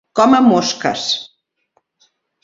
Com a mosques.